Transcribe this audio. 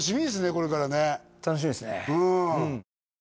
これからね楽しみですね